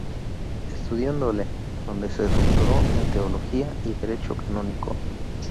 Estudió en Dole donde se doctoró en teología y derecho canónico.